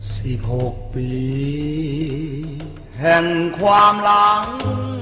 สี่หกปีเห็นความหลัง